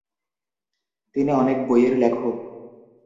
তিনি অনেক বইয়ের লেখক।